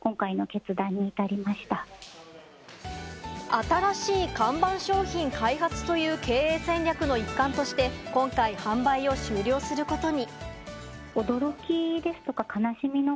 新しい看板商品開発という経営戦略の一環として、今回、販売を終了することに。